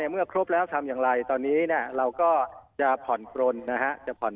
เมื่อครบแล้วทำอย่างไรตอนนี้เราก็จะผ่อนปลน